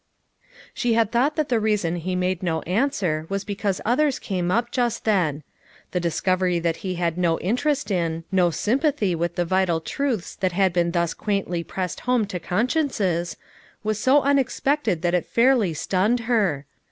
She had thought that the reason he made no answer was because others came up just then ; the discovery that he had no interest in, no sympathy with the vital truths that had been thus quaintly pressed home to consciences, was so unexpected that it fairly stunned her.